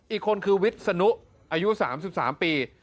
อีกคนคือวิศนุอายุ๓๓ปี